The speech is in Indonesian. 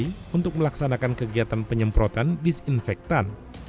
yang memaksanakan kegiatan penyemprotan disinfektan